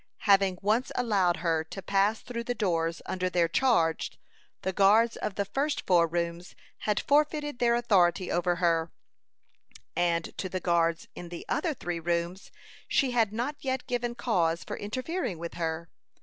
Having once allowed her to pass through the doors under their charge, the guards of the first four rooms had forfeited their authority over her; and to the guards in the other three rooms, she had not yet given cause for interfering with her.